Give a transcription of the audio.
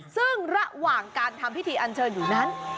ซึ่งระหว่างการทำพิธีอันเชิญอยู่นั้น